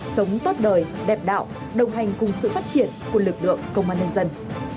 sống tốt đời đẹp đạo đồng hành cùng sự phát triển của lực lượng công an nhân dân